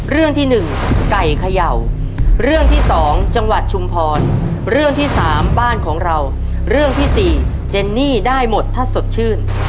เรื่องที่๑ไก่เขย่าเรื่องที่สองจังหวัดชุมพรเรื่องที่สามบ้านของเราเรื่องที่สี่เจนนี่ได้หมดถ้าสดชื่น